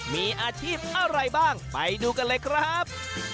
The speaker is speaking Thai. มีอาชีพอะไรบ้างไปดูกันเลยครับ